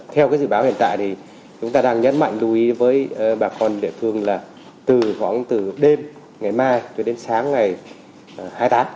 theo dự báo hiện tại chúng ta đang nhấn mạnh lưu ý với bà con địa phương là từ đêm ngày mai đến sáng ngày hai mươi tám